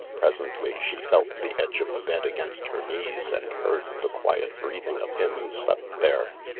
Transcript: Presently she felt the edge of the bed against her knees and heard the quiet breathing of him who slept there.